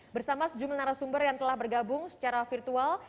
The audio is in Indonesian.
bersama sejumlah narasumber yang telah bergabung secara virtual